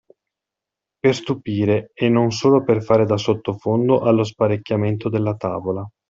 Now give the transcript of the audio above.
Per stupire e non solo per fare da sottofondo allo sparecchiamento della tavola.